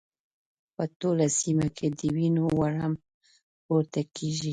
په ټوله سيمه کې د وینو وږم پورته کېږي.